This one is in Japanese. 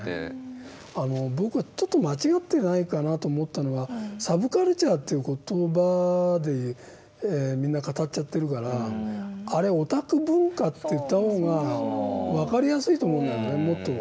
僕がちょっと間違ってないかなと思ったのは「サブカルチャー」という言葉でみんな語っちゃってるからあれ「オタク文化」と言った方が分かりやすいと思うんだよねもっと。